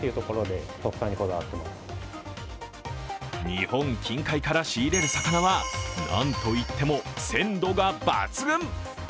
日本近海から仕入れる魚は、なんといっても鮮度が抜群。